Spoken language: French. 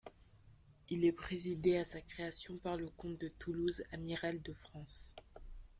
Il est présidé à sa création par le comte de Toulouse, Amiral de France.